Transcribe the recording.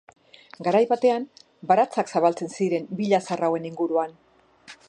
Garai batean baratzak zabaltzen ziren villa zahar hauen inguruan.